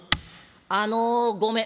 「あのごめん」。